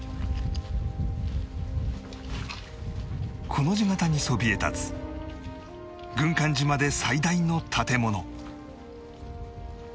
コの字形にそびえ立つ軍艦島で最大の建物６５号棟